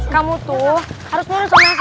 kamu tuh harus nurut sama senior